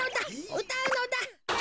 うたうのだ。